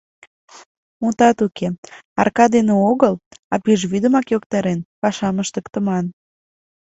Мутат уке, арака дене огыл, а пӱжвӱдымак йоктарен, пашам ыштыктыман.